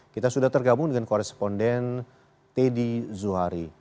kita sudah tergabung dengan koresponden teddy zuhari